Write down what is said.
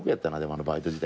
あのバイト時代な。